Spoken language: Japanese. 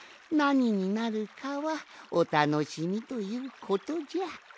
なにになるかはおたのしみということじゃ。